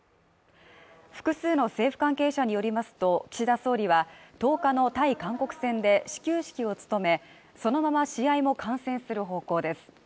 複数の政府関係者によりますと、岸田総理は１０日の対韓国戦で始球式を務め、そのまま試合も観戦する方向です。